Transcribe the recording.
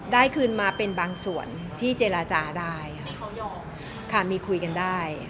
ได้คืนมาเป็นบางส่วนที่เจรจาได้ค่ะมีคุยกันได้